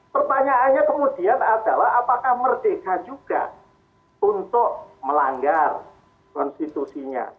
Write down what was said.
pertanyaannya kemudian adalah apakah merdeka juga untuk melanggar konstitusinya